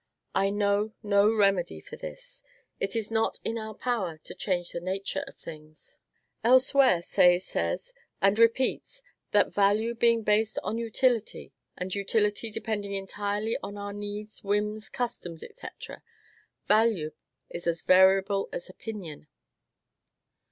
I know no remedy for this; it is not in our power to change the nature of things." Elsewhere Say says, and repeats, that value being based on utility, and utility depending entirely on our needs, whims, customs, &c., value is as variable as opinion.